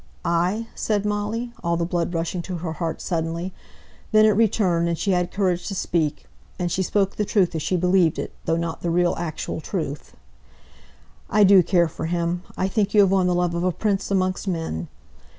"I?" said Molly, all the blood rushing to her heart suddenly; then it returned, and she had courage to speak, and she spoke the truth as she believed it, though not the real actual truth. "I do care for him; I think you have won the love of a prince amongst men.